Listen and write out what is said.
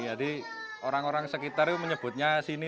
jadi orang orang sekitar menyebutnya ini